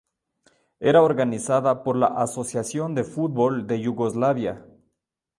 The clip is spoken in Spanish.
Era organizada por la Asociación de Fútbol de Yugoslavia.